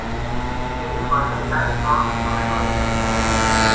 She was a lifelong socialist.